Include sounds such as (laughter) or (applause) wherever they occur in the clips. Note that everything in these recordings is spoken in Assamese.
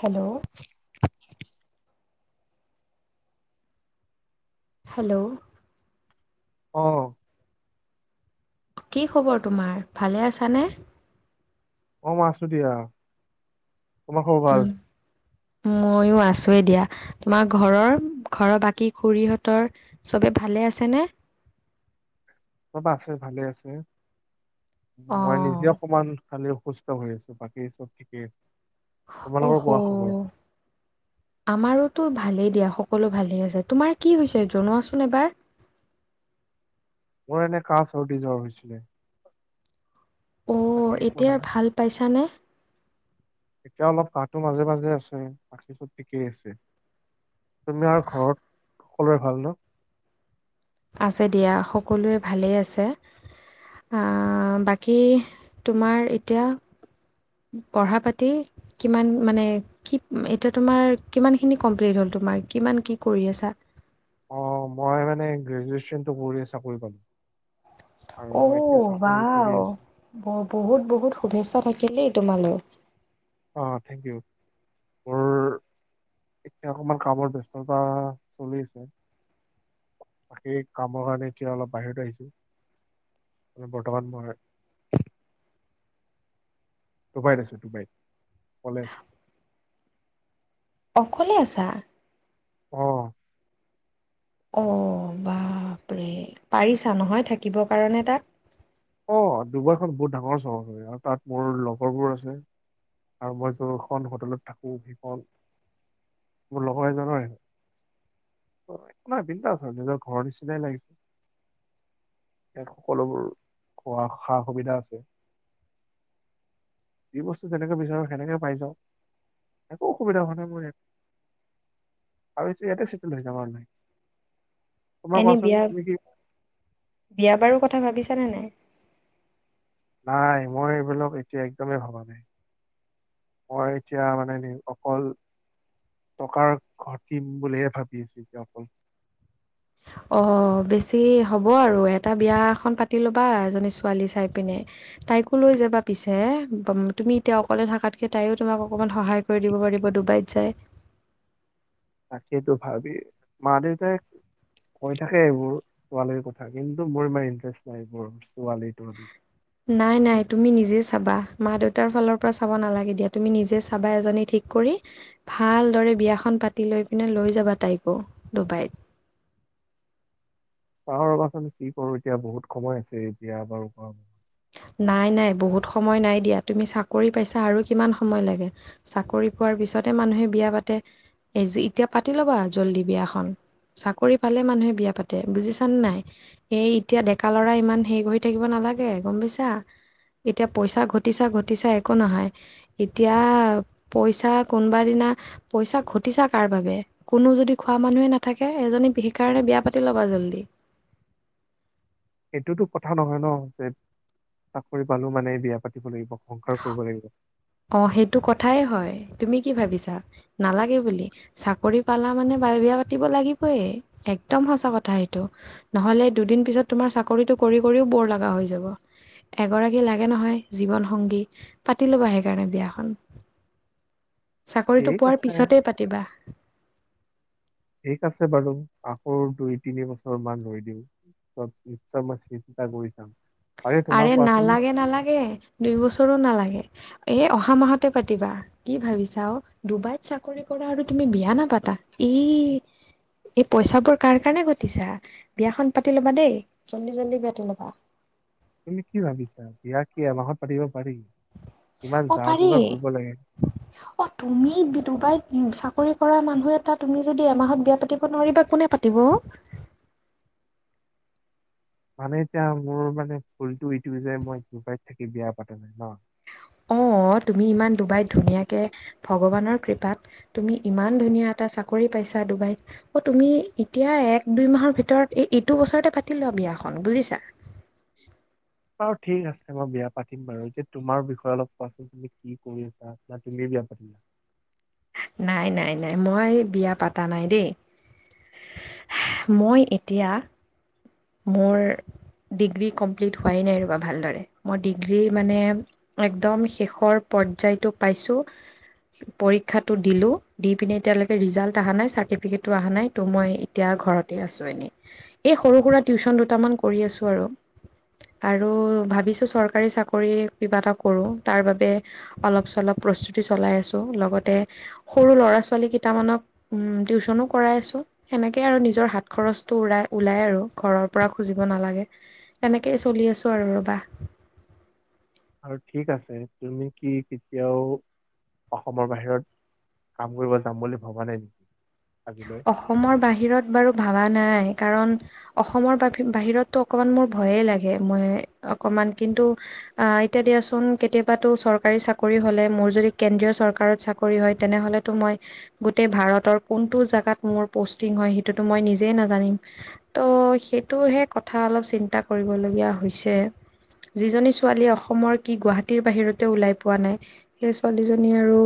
হেল্লৌ' হেল্লৌ আহ কি খবৰ তোমাৰ ভালে আছানে- ম আছো দিয়া তোমাৰ খবৰ ভাল মইয়ো আছোয়ে দিয়া তোমাৰ ঘৰৰ ঘৰৰ বাকী খুৰীহঁতৰ চবে ভাল ভালে আছেনে অবা আছে ভালে আছে অ মই নিজে অকমান খালি অসুস্থ হৈ আছো বাকী চব ঠিকেই অ তোমালোকৰ হ কোৱা খবৰ আমাৰোতো ভালেই দিয়া সকলো ভালে আছে তোমাৰ কি হৈছে জনোৱাচোন এবাৰ মোৰ এনে কা চৰ্দি জ্বৰ হৈছিলে অঁ বাকী একো এতিয়া নাই ভাল পাইছানে এতিয়া অলপ কাহটো মাজে মাজে আছে বাকি চব ঠিকেই আছে তুমি আৰু ঘৰত সকলোৰে ভাল ন আছে দিয়া সকলোৱে ভালেই আছে আহ বাকী তোমাৰ এতিয়া পঢ়া পাতি কিমান মানে কি এতিয়া তোমাৰ কিমান খিনি কমপ্লিট হল তোমাৰ কিমান কি কৰি আছা অ মই মানে গ্ৰেজুৱেচনটো পঢ়ি চাকৰি পালো আৰু মই এতিয়া অ' চাকৰি ৱাও কৰি আছো ব বহুত বহুত শুভেচ্ছা থাকিল দেই তোমালৈ অ থেংক ইউ মোৰ এতিয়া অকমান কামত ব্যস্ততা চলি আছে বাকী কামৰ কাৰণে এতিয়া অলপ বাহিৰত আহিছো ম বৰ্তমান মই (unintelligible) ডুবাইত আছো ডুবাইত অকলে আছো অকলে আছা অহ অ বাপৰে পাৰিছা নহয় থাকিব কাৰণে তাত অ ডুবাইখন বহুত ডাঙৰ চহৰ হয় আৰু তাত মোৰ লগৰবোৰ আছে আৰু মই যো-খন হোটেলত থাকো ভীফল মোৰ লগৰ এজনৰে একো বিন্দাছ নিজৰ ঘৰ নিচিনাই লাগিছে। ইয়াত সকলোবোৰ খোৱা সা সুবিধা আছে। যি বস্তু যেনেকে বিচাৰো সেনেকে পাই যাওঁ। একো অসুবিধা হোৱা নাই মোৰ আৰু এতিয়া ইয়াতে চেটেল হৈ যাম আৰু লাহেকে তোমাৰ এনে কোৱাচোন বিয়া তুমি কি বিয়া বাৰু কথা ভাবিছানে নাই নাই মই এইবিলাক এতিয়া একদমেই ভাবা নাই মই এতিয়া মানে অকল টকাৰ ঘটিম বুলিহে ভাবি আছো যে অকল অঁ বেছি হ'ব আৰু এটা বিয়া এখন পাতি ল'বা এজনী ছোৱালী চাই পিনে তাইকো লৈ যাবা পিছে তুমি এতিয়া অকলে থাকাতকে তাইও তোমাক অকনমান সহায় কৰি দিব পাৰিব ডুবাইত যায় তাকে তো ভাবি মা দেউতাই কৈ থাকে এইবোৰ ছোৱালীৰ কথা কিন্তু মোৰ ইমান ইণ্টাৰেষ্ট নাই এইবোৰ ছোৱালী তোৱালী নাই নাই তুমি নিজে চাবা মা দেউতাৰ ফালৰ পৰা চাব নালাগে দিয়া তুমি নিজে চাবা এজনী ঠিক কৰি ভালদৰে বিয়াখন পাতি লৈ পিনে লৈ যাবা তাইকো ডুবাইত চাও ৰবাচোন কি কৰো এতিয়া বহুত সময় আছে এতিয়া বাৰু খন নাই নাই বহুত সময় নাই দিয়া তুমি চাকৰি পাইছা আৰু কিমান সময় লাগে চাকৰি পোৱাৰ পি পিছতে মানুহে বিয়া পাতে এই যি এতিয়া পাতি ল'বা জলদি বিয়াখন চাকৰি পালে মানুহে বিয়া পাতে বুজিছানে নাই এই এতিয়া ডেকা লৰা হেই এতিয়া হেৰি। লাগে গম পাইছা। এতিয়া পইচা ঘটিছা ঘটিছা একো নহয় এতিয়া পইচা কোনোবা দিনা। পইচা ঘটিছা কাৰ বাবে কোনো যদি খোৱা মানুহে নাথাকে এজনী সেই কাৰণে বিয়া পাতি ল'বা। জলদি। এইটোতো কথা নহয় ন যে চাকৰি পালো মানে বিয়া পাতিব লাগিব। সংসাৰ কৰিব লাগিব অ সেইটো কথাই হয় তুমি। কি ভাবিছা নালাগে বুলি চাকৰি পালা মানে এবাৰ বিয়া পাতিব লাগিবই একদম। সঁচা কথা সেইটো নহলে দুদিন পিছত তোমাৰ চাকৰিতটো কৰি কৰিও বৌৰ লগা হৈ যাব। এগৰাকী লাগে নহয় জীৱন সংগী। পাতি লবা সেইকাৰণে বিয়াখন। চাকৰিটো ঠিক পোৱাৰ আছে পিছতেই পাতিবা। ঠিক আছে বাৰু আকৌ দুই তিনি বছৰ মান ৰৈ দিম চব নিশ্চয়ত মই চিন্তা কৰি চাম। পাৰে তোমাৰ আৰে কোৱাচোন নালাগে নালাগে দুই বছৰো নালাগে। এ অহা মাহতে পাতিবা কি ভাবিছা অ ডুবাইত চাকৰি কৰা আৰু তুমি বিয়া নাপাতা। ই। এই পইচাবোৰ কাৰ কাৰণে ঘটিছা বিয়াখন পাতি লবা দেই জল্দি জল্দি পাতি লবা। তুমি কি ভাবিছা বিয়া কি এমাহত পাতিব। পাৰি কিমান অ জাহ পাৰি যোগাৰ কৰিব লাগে। অ তুমি ডুবাই চাকৰি। কাম কৰা মানুহ এটা তুমি যদি এমাহত বিয়া পাতিব নোৱাৰিবা কোনে পাতিব অ। মানে এতিয়া মোৰ মানে ফুলটো ইটো যে মই ডুবাইত থাকি বিয়া পাতিম ন। নেও (unintelligible) অ তুমি ইমান ডুবাইত ধুনীয়াকে ভগৱানৰ কৃপাত তুমি ইমান ধুনীয়া এটা চা। চাকৰি পাইছা ডুবাইত অ তুমি এতিয়া এক দুই মাহৰ ভিতৰত এইটো বছৰতে পাতি লোৱা বিয়া। কন বুজিছা। বাৰু ঠিক আছে বিয়া পাতিম বাৰু এ যে তোমাৰ বিষয়ে অলপ কোৱাচোন তুমি কি কৰি আছা না তুমি। বিয়া পাতি। নাই নাই নাই মই বিয়া পতা নাই দেই। মই এতিয়া মোৰ ডিগ্ৰী কমপ্লিট হোৱাই নাই ৰবা ভালদৰে মই ডিগ্ৰী মানে একদম শেষৰ পৰ্যায়টো পাইছোঁ পৰীক্ষাটো দিলো দি পিনে এতিয়ালৈকে ৰিজাল্ট অহা নাই চাৰ্টিফিকেটো অহা নাই ত' মই এতিয়া ঘৰ আছো এনেই এই সৰু সুৰা টিউশচন দুটামান কৰি আছোঁ আৰু। আৰু ভাবিছো চৰকাৰী চাকৰি কিবা এটা কৰো তাৰ বাবে অলপ চলপ। প্ৰস্তুতি চলাই আছো লগতে সৰু ল'ৰা ছোৱালী কেইটামানক টিউশচনো কৰাই আছো। সেনেকে আৰু নিজৰ হাত খৰচটো উৰাই লাই ওলাই আৰু। ঘৰৰ পৰা খুজিব নালাগে এনেকেই চলি আছো আৰু ৰবা। আৰু ঠিক আছে তুমি কি কেতিয়াও অসমৰ বাহিৰত। কাম কৰিব যাম বুলি ভবা নাই নেকি! আজিলৈ অসমৰ বাহিৰত বাৰু ভাবা নাই। কাৰণ অসমৰ ব বাহিৰততো অকণমান মোৰ ভয়ে লাগে মই অকণমান কিন্তু। আহ এতিয়া দিয়াচোন কেতিয়াবাতো চৰকাৰী চাকৰি হলে মোৰ যদি কেন্দ্ৰীয় চৰকাৰত চাকৰি হয় তেনে। তেনেহলে মই গোটেই ভাৰতৰ কোন। তোৰ জেগাত মোৰ পোছটিং হয় হেটো হে মই নিজেই নাজানিম ত হেতো কথা অলপ। চিন্তা কৰিবলগীয়া হৈছে। যিজনী ছোৱালীয়ে অসমৰ কি গুৱাহাটীৰ বাহিৰতে ওলাই পোৱা নাই সেই ছোৱালীজনী আৰু।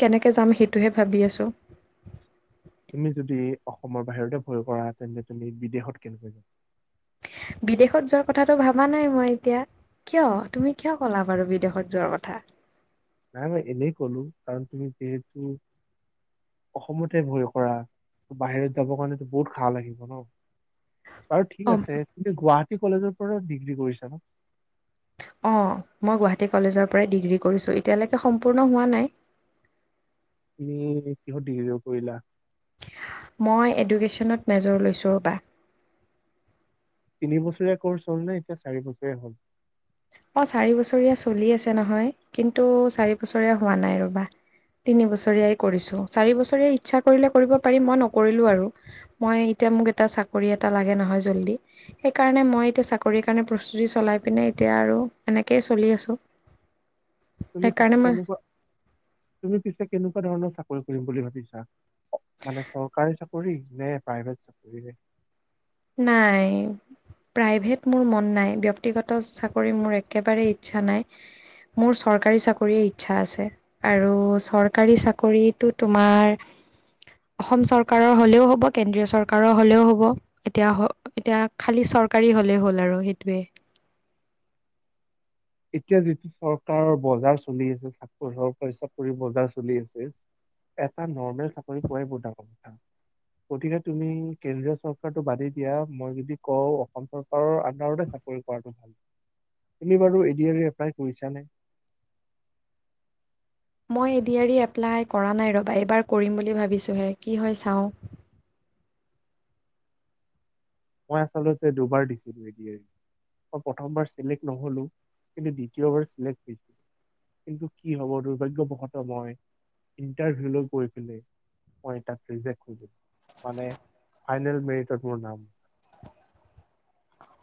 কেনেকে যাম সেইটোহে ভাবি আছোঁ। তুমি যদি অসমৰ বাহিৰতে ভয় কৰা তেন্তে তুমি বিদেশত কেনেকৈ যাবা। বিদেশত যোৱাৰ কথাটো ভাবা নাই মই এতিয়া। কিয় তুমি কিয় ক'লা বাৰু বিদেশত যোৱাৰ কথা। নাই নাই এনেই কলো কাৰণ তুমি যিহেতু। অসমতে ভয় কৰা বাহিৰত যাব কাৰণেতো বহুত ভাল লাগিব ন। বাৰু ঠিক অ', আছে তুমি গুৱাহাটী কলেজৰ পৰা ডিগ্ৰী কৰিছা ন। অ মই গুৱাহাটী কলেজৰ পৰাই ডিগ্ৰী কৰিছোঁ এতিয়ালৈকে সম্পূৰ্ণ হোৱা নাই।। (inaudible) তুমি আৰু কিহত ডিগ্ৰী কৰিলা। মই এডুকেশ্যনত মেজৰ লৈছোঁ ৰ'বা। তিনি বছৰীয়া কৰ্চ হ'ল নে এতিয়া চাৰি বছৰীয়া হ'ল। অ চাৰি বছৰীয়া চলি আছে নহয় কিন্তু চাৰি বছৰীয়া হোৱা নাই ৰবা। তিনি বছৰীয়াই কৰিছো চাৰি বছৰীয়া ইচ্ছা কৰিলে কৰিব পাৰিম মই নকৰিলো আৰু মই এতিয়া। মোক এতিয়া চাকৰি এটা লগে নহৈ জল্দি হেই কাৰণে মই চাকৰি কাৰণে প্ৰস্তুতি চলাই পিনে। এতিয়া আৰু এনেকেই চলি আছোঁ। তুমি পি সেইকাৰণে মই কেনেকোৱা তুমি পিছে কেনেকুৱা ধৰণৰ চাকৰি। কৰিম বুলি ভাবিছা মানে চৰকাৰী চাকৰি নে প্ৰাইভেট চাকৰি। নাই প্ৰাইভেট মোৰ মন নাই ব্যক্তিগত চাকৰি মোৰ একেবাৰেই ইচ্ছা নাই। মোৰ চৰকাৰী চাকৰিয়ে ইচ্ছা আছে আৰু চৰকাৰী চাকৰিটো তোমাৰ। অসম চৰকাৰৰ হলেও হ'ব কেন্দ্ৰীয় চৰকাৰৰ হলেও হ'ব। এতিয়া এতিয়া খালি চৰকাৰী হলেই হ'ল আৰু সেইটোৱে। এতিয়া যিটো চৰকাৰৰ বজাৰ চলি আছে চৰকাৰী চাকৰি বজাৰ চলি আছে। এটা নৰ্মেল চাকৰি পোৱাই বহুত ডাঙৰ কথা। গতিকে তুমি কেন্দ্ৰীয় চৰকাৰটো বাদেই দিয়া মই যদি কওঁ অসম চৰকাৰৰ আডাৰতে থাকা। তুমি বাৰু। ক এপলাই কৰিছা নে। মই এডিয়াৰি এপ্লাই কৰা নাই ৰবা এইবাৰ কৰিম বুলি ভাবিছোঁহে কি হৈ চাওঁ।। (inaudible) মই আচলতে দুবাৰ দিছিলো এ ডি আৰ ই। মই প্ৰথমবাৰ চিলেক্ট নহলো কিন্তু দ্বিতীয়বাৰ চিলেক্ট হৈছিলো। কিন্তু কি হব দুৰ্ভাগ্যবশতঃ মই ইণ্টাৰভিউ ল গৈ পে। মই মান ফাইনেল মোৰ নাম।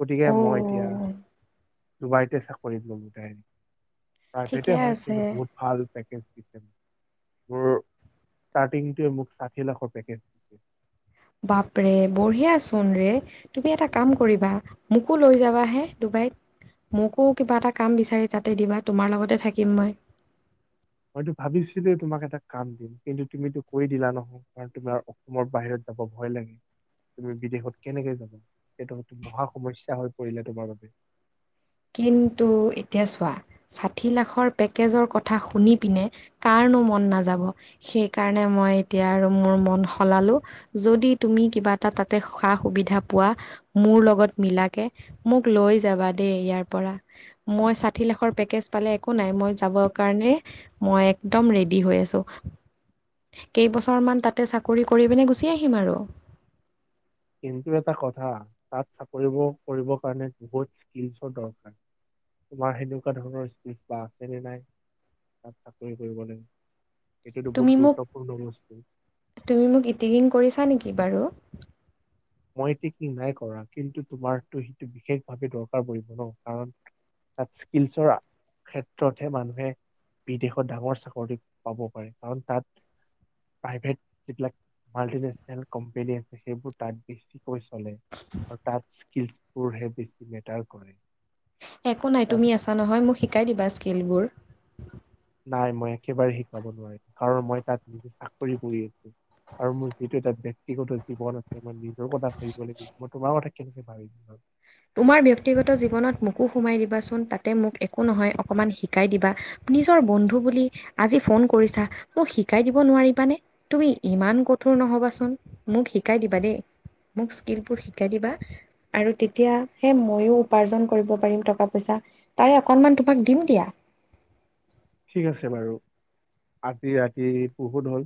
গতিকে মই এতিয়া অ' ডুবাইতে চাকৰিত গলো তাই। প্ৰাইভেটে হয় কিন্তু বহুত ভাল। । (inaudible) ষ্টাৰ্টিৱে মোক ষাঠি লাখৰ পেকেজ দিছিল। বাপৰে বঢ়িয়া চোন ৰে তুমি এটা কাম কৰিবা মোকো লৈ যাবাহে। মোকো কিবা এটা কাম দিবা তোমাৰ লগতে থাকিম মই। মইতো ভাবিছোৱেই তোমাক এটা কাম দিম কিন্তু তুমিতো কৈ দিলা নহও কাৰণ তোমাৰ অসমৰ বাহিৰত। ব ভয় লাগে। তুমি বিদেশত কেনেকে যাবা সেইটো মহা সমস্যা হৈ পৰিলে তোমাৰ বাবে। কিন্তু এতিয়া চোৱা ষাঠি লাখৰ পেকেজৰ কথা শুনি পিনে কাৰ। মোৰ মন নাজাব হেই কাৰনে মই এতিয়া আৰু মোৰ মন হেলালো যদি তুমি। এটা তাতে সা সুবিধা পোৱা মোৰ লগত মিলাকে মোক লৈ যাবা দেই ইয়াৰ। মই ষাঠি লাখৰ পেকেজ পালে একো নাই মই যাব কাৰণে মই একদম ৰেড্ডী। হৈ আছো। কেইবছৰমান তাতে চাকৰি কৰি পিনে গুচি আহিম আৰু। কিন্তু এটা কথা তাত চাকৰি কৰিবৰ কাৰণে বহুত স্কিলছৰ দৰকাৰ তোমাৰ সেনেকুৱা ধৰণৰ স্পীচ বা আছে নে নাই তাত চাকৰি কৰিবলে তুমি মোক তুমি মোক ইটিকিং কৰিছা নেকি বাৰু (inaudible) মই এতি কি নাই কৰা কিন্তু তোমাৰো সেইটো বিশেষ ভাৱে দৰকাৰ পৰিব ন কাৰণ তাত স্কিল চৰা ক্ষেত্ৰতহে মানুহে বিদেশত ডাঙৰ চাকৰি পাব পাৰে কাৰণ তাত প্ৰাইভেট যিবিলাক মাল্টিনেচনেল কোম্পনী আছে সেইবোৰ তাত বেছিকৈ চলে আৰু তাত স্কিলচবোৰহে বেছি মেটাৰ কৰে। একো নাই তাত তুমি আছা নহয় মোক শিকাই দিবা স্কিলবোৰ নাই মই একেবাৰে শিকাব নোৱাৰিম কাৰণ মই তাত নিজে চাকৰি কৰি আছো। আৰু মোৰ যিটো এটা ব ব্যক্তিগত জীৱন আছে মই নিজৰ কথা ভাবিব লাগিব মই তোমাৰ কথা কেনেকে ভাবিছো আৰু তোমাৰ ব্য্য়ক্তিগত জীৱনত মোকো সোমাই দিবাচোন তাতে মোক একো নহয় অকমান শিকাই দিবা। নিজৰ বন্ধু বুলি আজি ফোন কৰিছা মোক শিকাই দিব নোৱাৰিবানে তুমি ইমান কঠ কোৰ নহ'বাচোন মোক শিকাই দিবা দেই মোক স্কিলবোৰ শিকাই দিবা আৰু এতিয়া সেই ময়ো উপাৰ্জন কৰিব পাৰিম টকা পইচা তাৰে অকনমান তোমাক দিম দিয়া। (unintelligible) ঠিক আছে বাৰু আজি ৰাতি পহুত হল।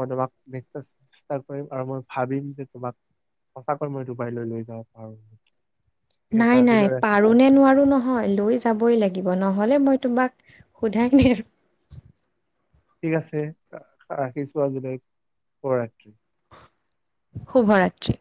মই তোমাক চেষ্টা কৰিম আৰু মই ভাবিম যে তোমাক সঁচাকৈ মই ডুবাইলৈ লৈ যাব পাৰো। ঠিক আছে নাই নাই আজিলৈ ৰাখিছো পাৰো নে নোৱাৰো নহয় লৈ যাবই লাগিব। নহ'লে মই তোমাক সোধাই নি আৰু ঠিক আছে ৰাখিছো আজিল শুৱৰাত্ৰি শুভৰাত্ৰি।